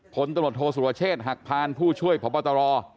ผลตลอดโทษศุรเชษหักพรานผู้ช่วยพบตร